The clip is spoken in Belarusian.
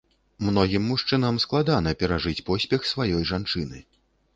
Многім мужчынам складана перажыць поспех сваёй жанчыны.